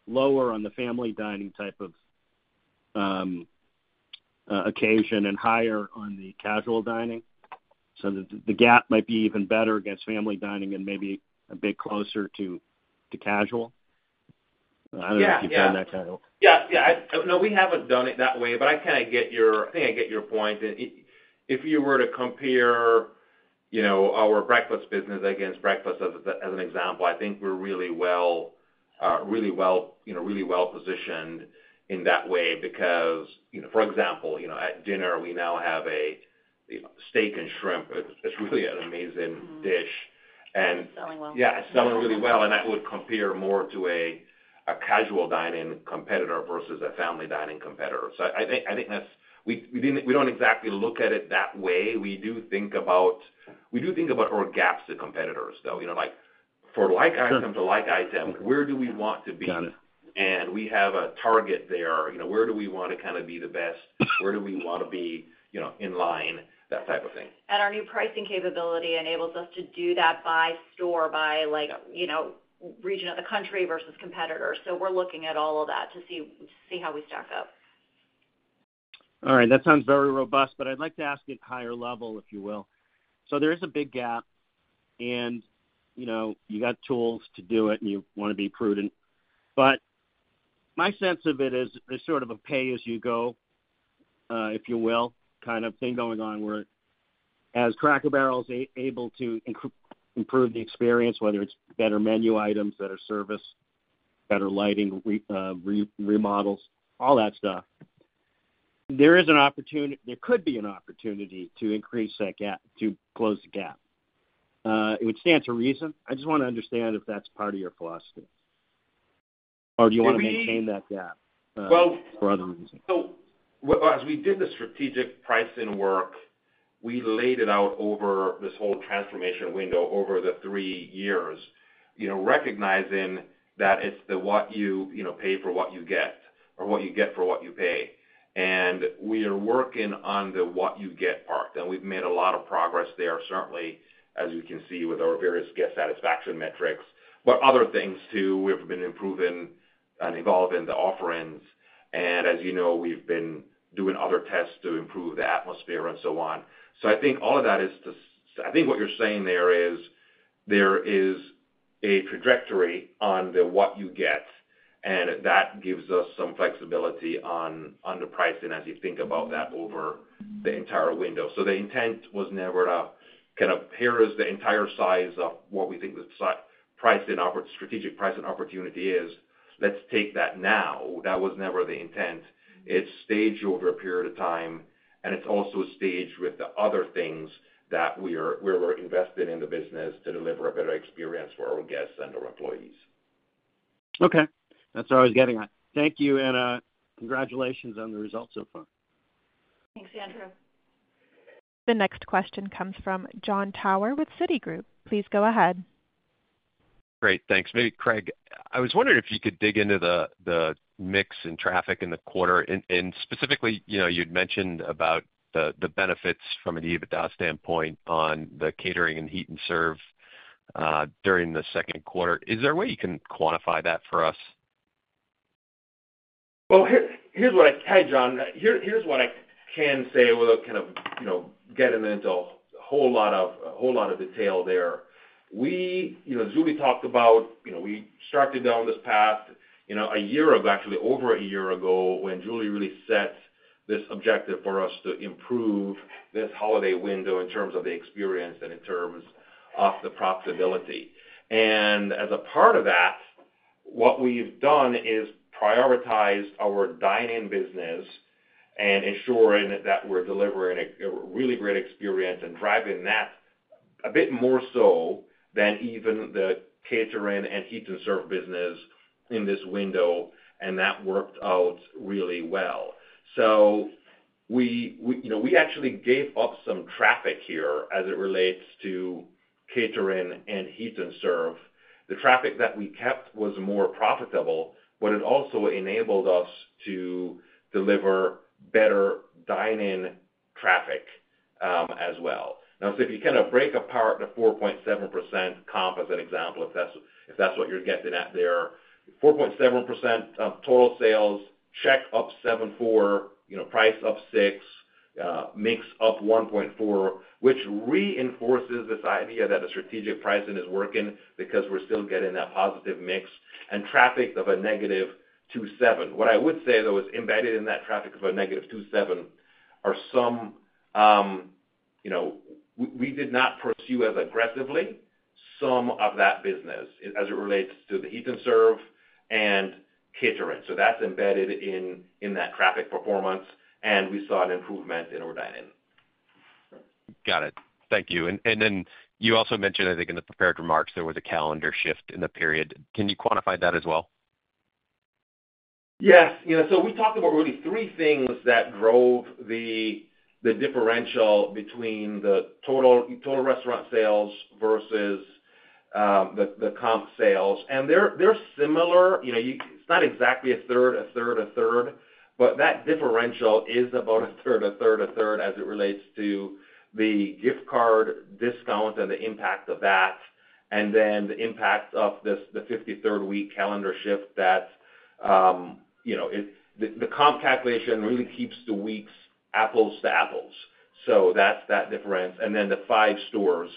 Speaker 9: lower on the family dining type of occasion and higher on the casual dining. The gap might be even better against family dining and maybe a bit closer to casual. I don't know if you've done that kind of work.
Speaker 4: Yeah. Yeah. No, we haven't done it that way, but I kind of get your, I think I get your point. If you were to compare our breakfast business against breakfast as an example, I think we're really well positioned in that way because, for example, at dinner, we now have a steak and shrimp. It's really an amazing dish. And selling well. Yeah. Selling really well. That would compare more to a casual dining competitor versus a family dining competitor. I think we don't exactly look at it that way. We do think about our gaps to competitors, though. For like item to like item, where do we want to be? We have a target there. Where do we want to kind of be the best? Where do we want to be in line? That type of thing.
Speaker 3: Our new pricing capability enables us to do that by store, by region of the country versus competitor. We are looking at all of that to see how we stack up.
Speaker 9: All right. That sounds very robust, but I would like to ask it higher level, if you will. There is a big gap, and you have tools to do it, and you want to be prudent. My sense of it is sort of a pay as you go, if you will, kind of thing going on where as Cracker Barrel is able to improve the experience, whether it is better menu items that are serviced, better lighting, remodels, all that stuff, there is an opportunity, there could be an opportunity to increase that gap, to close the gap. It would stand to reason. I just want to understand if that is part of your philosophy. Do you want to maintain that gap for other reasons?
Speaker 4: As we did the strategic pricing work, we laid it out over this whole transformation window over the three years, recognizing that it's the what you pay for what you get or what you get for what you pay. We are working on the what you get part. We have made a lot of progress there, certainly, as you can see with our various guest satisfaction metrics. Other things too, we have been improving and evolving the offerings. As you know, we have been doing other tests to improve the atmosphere and so on. I think all of that is to, I think what you are saying there is there is a trajectory on the what you get, and that gives us some flexibility on the pricing as you think about that over the entire window. The intent was never to kind of, here is the entire size of what we think the strategic price and opportunity is. Let's take that now. That was never the intent. It's staged over a period of time, and it's also staged with the other things that we're invested in the business to deliver a better experience for our guests and our employees.
Speaker 9: Okay. That's what I was getting at. Thank you, and congratulations on the results so far.
Speaker 3: Thanks, Andrew.
Speaker 1: The next question comes from Jon Tower with Citigroup. Please go ahead.
Speaker 10: Great. Thanks. Maybe Craig, I was wondering if you could dig into the mix and traffic in the quarter. And specifically, you'd mentioned about the benefits from an EBITDA standpoint on the catering and heat and serve during the second quarter. Is there a way you can quantify that for us?
Speaker 4: Here's what I—hey, Jon. Here's what I can say without kind of getting into a whole lot of detail there. Julie talked about we started down this path a year ago, actually over a year ago when Julie really set this objective for us to improve this holiday window in terms of the experience and in terms of the profitability. As a part of that, what we've done is prioritized our dining business and ensuring that we're delivering a really great experience and driving that a bit more so than even the catering and heat and serve business in this window, and that worked out really well. We actually gave up some traffic here as it relates to catering and heat and serve. The traffic that we kept was more profitable, but it also enabled us to deliver better dining traffic as well. Now, if you kind of break apart the 4.7% comp as an example, if that's what you're getting at there, 4.7% total sales, check up 7.4, price up 6, mix up 1.4, which reinforces this idea that the strategic pricing is working because we're still getting that positive mix and traffic of a negative 2.7. What I would say, though, is embedded in that traffic of a negative 2.7 are some we did not pursue as aggressively some of that business as it relates to the heat and serve and catering. That is embedded in that traffic performance, and we saw an improvement in our dining.
Speaker 10: Got it. Thank you. You also mentioned, I think, in the prepared remarks, there was a calendar shift in the period. Can you quantify that as well?
Speaker 4: Yes. We talked about really three things that drove the differential between the total restaurant sales versus the comp sales. They are similar. It's not exactly a third, a third, a third, but that differential is about a third, a third, a third as it relates to the gift card discount and the impact of that, and then the impact of the 53rd week calendar shift that the comp calculation really keeps the weeks apples to apples. That's that difference. Then the five stores.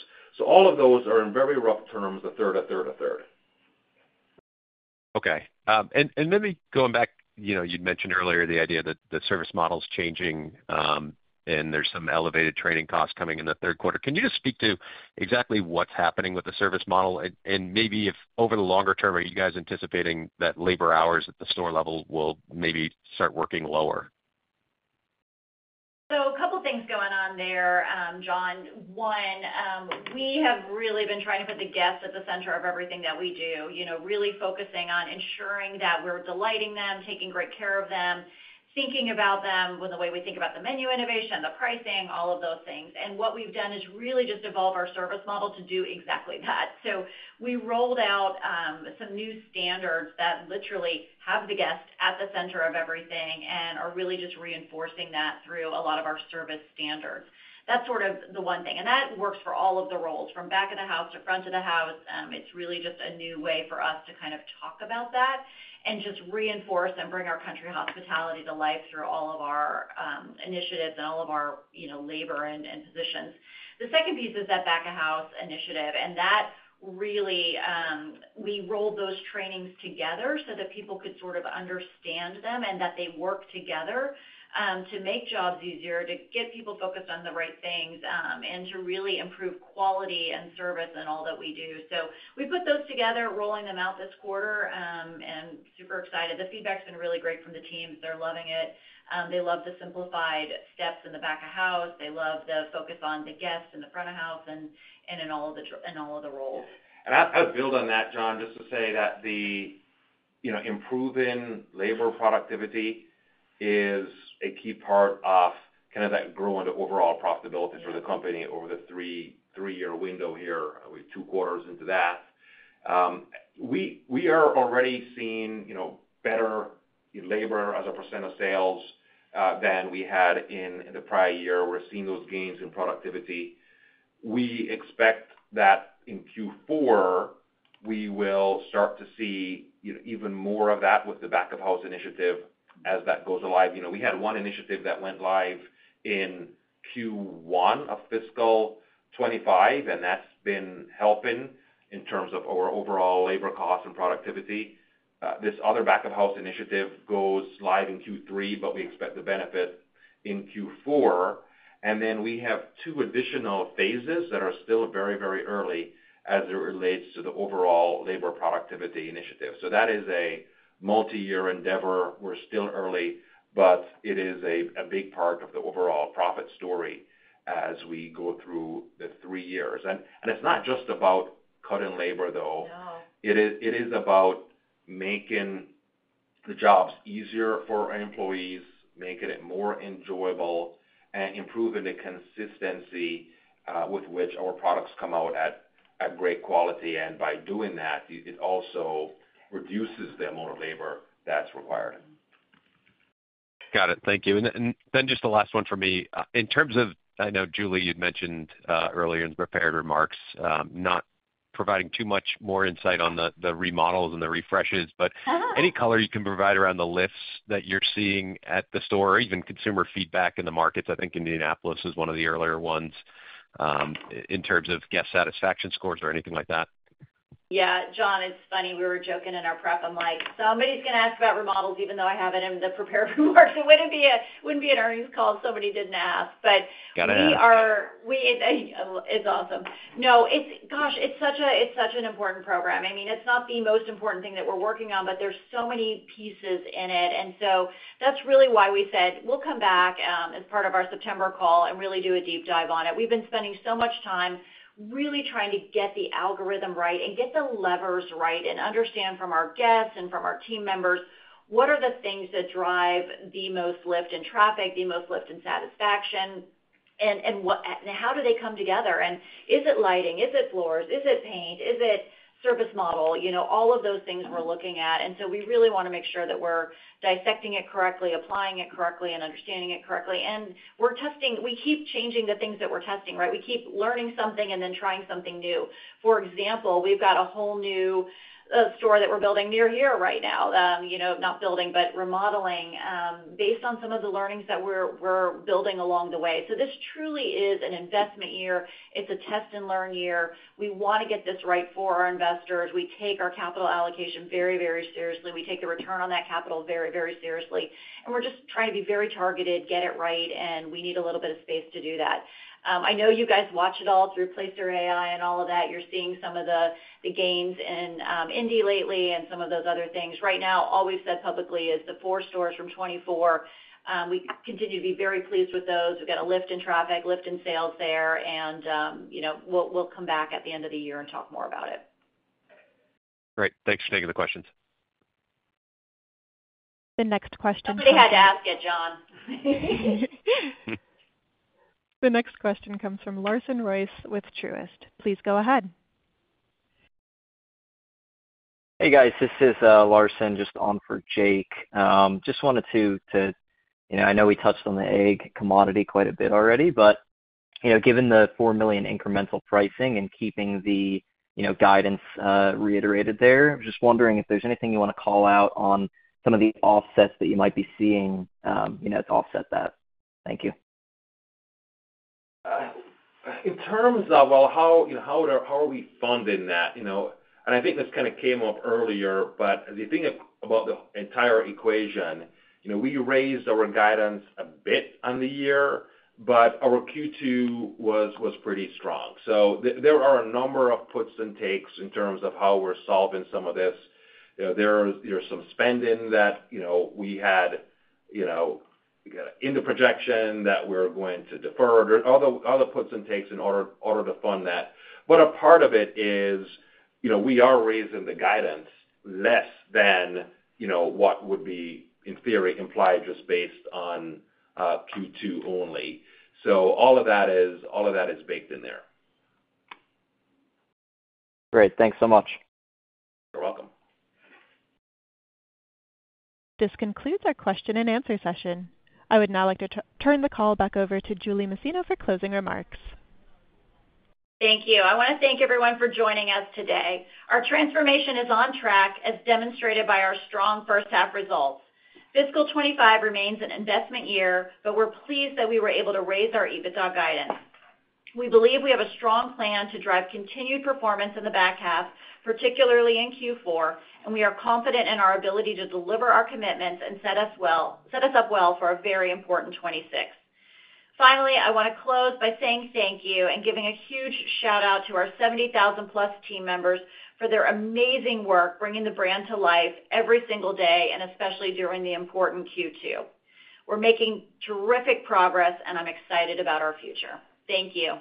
Speaker 4: All of those are in very rough terms, a third, a third, a third.
Speaker 10: Okay. Going back, you'd mentioned earlier the idea that the service model's changing, and there's some elevated training costs coming in the third quarter. Can you just speak to exactly what's happening with the service model? Maybe if over the longer term, are you guys anticipating that labor hours at the store level will maybe start working lower?
Speaker 3: A couple of things going on there, John. One, we have really been trying to put the guests at the center of everything that we do, really focusing on ensuring that we're delighting them, taking great care of them, thinking about them with the way we think about the menu innovation, the pricing, all of those things. What we've done is really just evolve our service model to do exactly that. We rolled out some new standards that literally have the guests at the center of everything and are really just reinforcing that through a lot of our service standards. That is sort of the one thing. That works for all of the roles, from back of the house to front of the house.
Speaker 4: It's really just a new way for us to kind of talk about that and just reinforce and bring our country hospitality to life through all of our initiatives and all of our labor and positions. The second piece is that back-of-house initiative. That really, we rolled those trainings together so that people could sort of understand them and that they work together to make jobs easier, to get people focused on the right things, and to really improve quality and service in all that we do. We put those together, rolling them out this quarter, and super excited. The feedback's been really great from the teams. They're loving it. They love the simplified steps in the back of house. They love the focus on the guests in the front of house and in all of the roles. I'll build on that, John, just to say that the improving labor productivity is a key part of kind of that growing overall profitability for the company over the three-year window here. We're two quarters into that. We are already seeing better labor as a percent of sales than we had in the prior year. We're seeing those gains in productivity. We expect that in Q4, we will start to see even more of that with the back-of-house initiative as that goes live. We had one initiative that went live in Q1 of Fiscal 2025, and that's been helping in terms of our overall labor costs and productivity. This other back-of-house initiative goes live in Q3, but we expect the benefit in Q4. We have two additional phases that are still very, very early as it relates to the overall labor productivity initiative. That is a multi-year endeavor. We're still early, but it is a big part of the overall profit story as we go through the three years. It is not just about cutting labor, though. It is about making the jobs easier for our employees, making it more enjoyable, and improving the consistency with which our products come out at great quality. By doing that, it also reduces the amount of labor that's required.
Speaker 10: Got it. Thank you. Just the last one for me. In terms of, I know Julie, you'd mentioned earlier in the prepared remarks, not providing too much more insight on the remodels and the refreshes, but any color you can provide around the lifts that you're seeing at the store, even consumer feedback in the markets. I think Indianapolis is one of the earlier ones in terms of guest satisfaction scores or anything like that.
Speaker 3: Yeah. John, it's funny. We were joking in our prep. I'm like, "Somebody's going to ask about remodels, even though I haven't in the prepared remarks. It wouldn't be an earnings call if somebody didn't ask." It is awesome. No, gosh, it's such an important program. I mean, it's not the most important thing that we're working on, but there's so many pieces in it. That is really why we said we'll come back as part of our September call and really do a deep dive on it. We've been spending so much time really trying to get the algorithm right and get the levers right and understand from our guests and from our team members what are the things that drive the most lift in traffic, the most lift in satisfaction, and how do they come together? Is it lighting? Is it floors? Is it paint? Is it service model? All of those things we're looking at. We really want to make sure that we're dissecting it correctly, applying it correctly, and understanding it correctly. We keep changing the things that we're testing, right? We keep learning something and then trying something new. For example, we've got a whole new store that we're building near here right now. Not building, but remodeling based on some of the learnings that we're building along the way. This truly is an investment year. It's a test and learn year. We want to get this right for our investors. We take our capital allocation very, very seriously. We take the return on that capital very, very seriously. We're just trying to be very targeted, get it right, and we need a little bit of space to do that. I know you guys watch it all through Placer AI and all of that. You're seeing some of the gains in Indy lately and some of those other things. Right now, all we've said publicly is the four stores from 2024. We continue to be very pleased with those. We've got a lift in traffic, lift in sales there, and we'll come back at the end of the year and talk more about it.
Speaker 10: Great. Thanks for taking the questions. The next question—
Speaker 3: I really had to ask it, John.
Speaker 1: The next question comes from Larson Royce with Truist. Please go ahead. Hey, guys. This is Larson, just on for Jake. Just wanted to—I know we touched on the egg commodity quite a bit already, but given the $4 million incremental pricing and keeping the guidance reiterated there, I'm just wondering if there's anything you want to call out on some of the offsets that you might be seeing to offset that. Thank you.
Speaker 4: In terms of, how are we funding that? I think this kind of came up earlier, but the thing about the entire equation, we raised our guidance a bit on the year, but our Q2 was pretty strong. There are a number of puts and takes in terms of how we're solving some of this. There's some spending that we had in the projection that we're going to defer, other puts and takes in order to fund that. A part of it is we are raising the guidance less than what would be, in theory, implied just based on Q2 only. All of that is baked in there. Great. Thanks so much. You're welcome.
Speaker 1: This concludes our question and answer session. I would now like to turn the call back over to Julie Masino for closing remarks.
Speaker 3: Thank you. I want to thank everyone for joining us today. Our transformation is on track, as demonstrated by our strong first-half results. Fiscal 2025 remains an investment year, but we're pleased that we were able to raise our EBITDA guidance. We believe we have a strong plan to drive continued performance in the back half, particularly in Q4, and we are confident in our ability to deliver our commitments and set us up well for a very important 2026. Finally, I want to close by saying thank you and giving a huge shout-out to our 70,000-plus team members for their amazing work, bringing the brand to life every single day, and especially during the important Q2. We're making terrific progress, and I'm excited about our future. Thank you.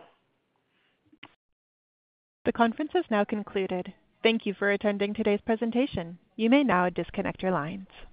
Speaker 1: The conference has now concluded. Thank you for attending today's presentation. You may now disconnect your lines.